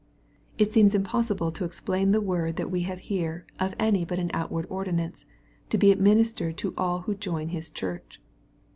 It seems impossible to explain the word that we have hero of any but an outward ordinance, to be administered to all who join His Church.